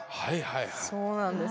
そうなんです。